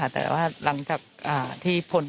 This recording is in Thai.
แต่ว่าหลังจากที่ผล